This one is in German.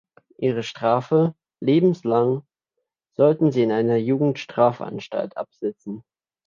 Ihre Strafe, lebenslang, sollten sie in einer Jugendstrafanstalt absitzen.